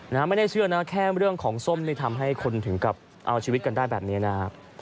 ไม่ได้เชื่อนะแค่เรื่องของส้มนี่ทำให้คนถึงกับเอาชีวิตกันได้แบบนี้นะครับ